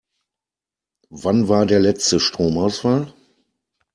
Wann war der letzte Stromausfall?